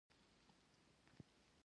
د چغندر ګل د څه لپاره وکاروم؟